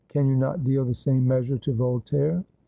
Can you not deal the same measure to Voltaire